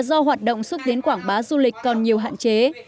do hoạt động xúc tiến quảng bá du lịch còn nhiều hạn chế